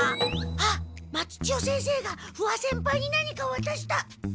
あっ松千代先生が不破先輩に何かわたした！